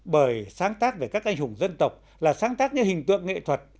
bởi sáng tác về các anh hùng dân tộc là sáng tác những hình tượng nghệ thuật